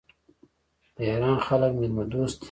د ایران خلک میلمه دوست دي.